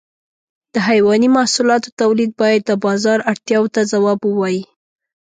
د حيواني محصولاتو تولید باید د بازار اړتیاو ته ځواب ووایي.